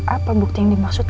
apa bukti yang dimaksudnya